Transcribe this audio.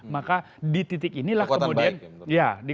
maka di titik inilah kemudian ya